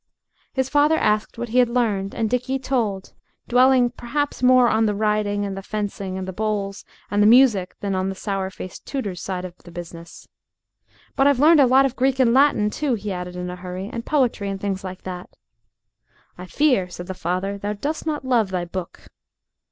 His father asked what he had learned, and Dickie told, dwelling, perhaps, more on the riding, and the fencing, and the bowls, and the music than on the sour faced tutor's side of the business. "But I've learned a lot of Greek and Latin, too," he added in a hurry, "and poetry and things like that." "I fear," said the father, "thou dost not love thy book."